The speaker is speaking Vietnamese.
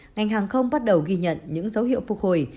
ngành hàng không bắt đầu ghi nhận những dấu hiệu phục hồi